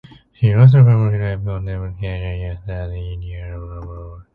She also performed live concerts with K. J. Yesudas in India and abroad.